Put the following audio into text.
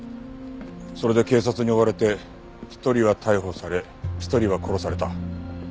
それで警察に追われて一人は逮捕され一人は殺された。